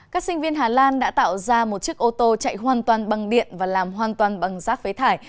các sinh viên hà lan đã tạo ra một chiếc ô tô chạy hoàn toàn bằng điện và làm hoàn toàn bằng rác phế thải